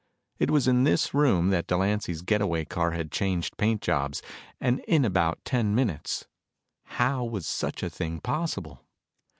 It was in this room that Delancy's get away car had changed paint jobs, and in about ten minutes. How was such a thing possible?